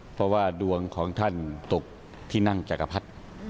เพราะว่าดวงของท่านตกที่นั่งจักรพรรดิ